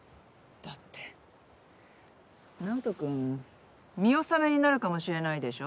だって直人君見納めになるかもしれないでしょ。